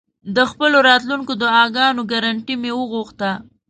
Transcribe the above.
د خپلو راتلونکو دعاګانو ګرنټي مې وغوښته.